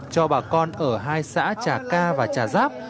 cho bà con ở hai xã trà ca và trà giáp